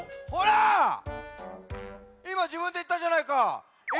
いまじぶんでいったじゃないか！